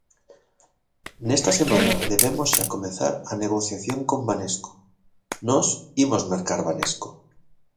Nesta semana debemos xa comezar a negociación con Banesco, nós imos mercar Banesco.